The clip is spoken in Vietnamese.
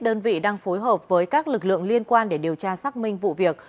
đơn vị đang phối hợp với các lực lượng liên quan để điều tra xác minh vụ việc